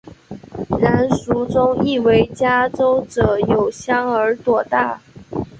然蜀中亦为嘉州者有香而朵大。